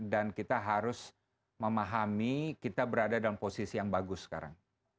dan kita harus memahami kita berada dalam posisi yang bagus sekarang